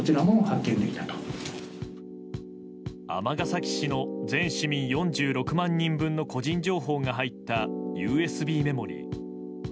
尼崎市の全市民４６万人分の個人情報が入ったＵＳＢメモリー。